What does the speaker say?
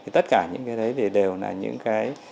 tất cả những cái đấy đều là những cái